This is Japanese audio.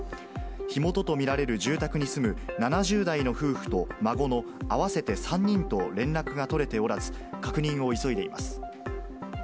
火元と見られる住宅に住む７０代の夫婦と孫の合わせて３人と連絡が取れておらず、確認を急いでいます。